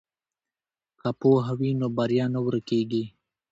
که پوهه وي نو بریا نه ورکیږي.